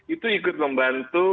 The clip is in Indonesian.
itu ikut membantu